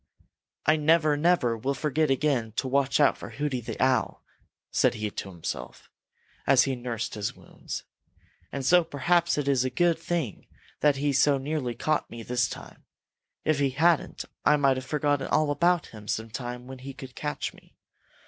"I never, never will forget again to watch out for Hooty the Owl," said he to himself, as he nursed his wounds, "and so perhaps it is a good thing that he so nearly caught me this time. If he hadn't, I might have forgotten all about him some time when he could catch me.